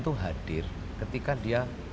tuh hadir ketika dia